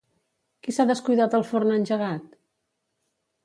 Qui s'ha descuidat el forn engegat?